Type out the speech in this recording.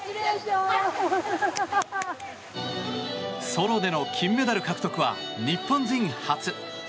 ソロでの金メダル獲得は日本人初。